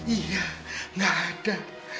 iya gak ada